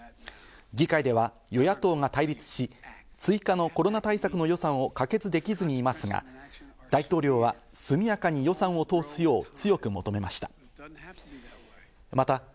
議会では与野党が対立し、追加のコロナ対策の予算を可決できずにいますが、大統領は速やかに予算を通すよう強く求めました。